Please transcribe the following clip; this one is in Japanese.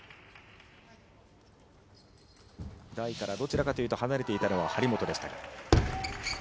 台から、どちらかというと離れていたのは張本でした。